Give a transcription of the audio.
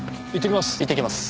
行ってきます。